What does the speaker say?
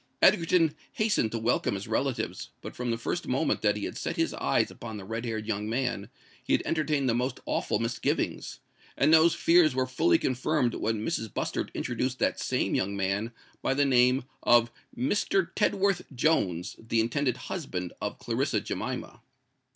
Egerton hastened to welcome his relatives; but from the first moment that he had set his eyes upon the red haired young man, he had entertained the most awful misgivings;—and those fears were fully confirmed when Mrs. Bustard introduced that same young man by the name of "Mr. Tedworth Jones, the intended husband of Clarissa Jemima."